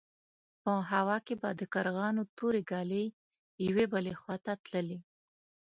په هوا کې به د کارغانو تورې ګلې يوې بلې خوا ته تللې.